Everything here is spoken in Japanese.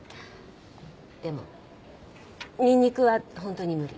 でもニンニクは本当に無理。